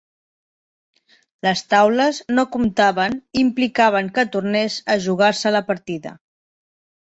Les taules no comptaven i implicaven que tornés a jugar-se la partida.